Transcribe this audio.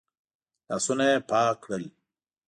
لاسونه يې پاک کړل.